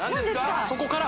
そこから？